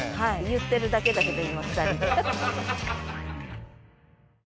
言ってるだけだけど今２人で。